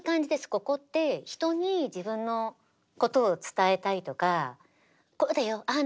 ここって人に自分のことを伝えたいとかこうだよああ